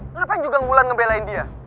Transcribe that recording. ngapain juga ngebulan ngebelain dia